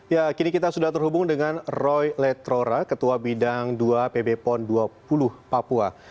ya kini kita sudah terhubung dengan roy letrora ketua bidang dua pb pon dua puluh papua